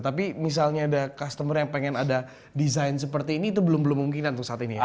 tapi misalnya ada customer yang pengen ada desain seperti ini itu belum belum mungkinan untuk saat ini ya